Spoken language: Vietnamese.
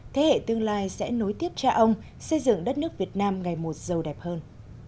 thế hệ tương lai sẽ nối tiếp cha ông xây dựng đất nước việt nam ngày một giàu đẹp hơn